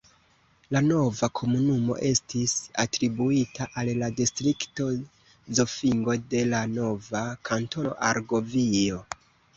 La nova komunumo estis atribuita al la distrikto Zofingo de la nova Kantono Argovio.